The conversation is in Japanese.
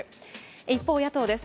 一方、野党です。